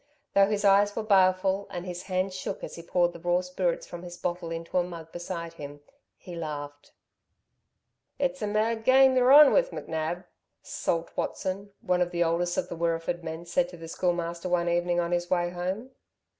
Though his eyes were baleful, and his hands shook as he poured the raw spirits from his bottle into a mug beside him, he laughed. "It's a mad game y're on with McNab," Salt Watson, one of the oldest of the Wirreeford men, said to the Schoolmaster one evening on his way home.